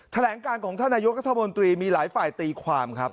แถลงการของท่านนายกรัฐมนตรีมีหลายฝ่ายตีความครับ